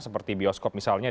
seperti bioskop misalnya